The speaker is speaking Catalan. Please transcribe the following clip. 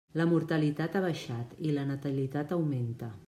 La mortalitat ha baixat i la natalitat augmenta.